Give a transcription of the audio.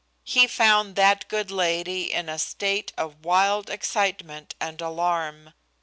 He found that good lady in a state of wild excitement and alarm.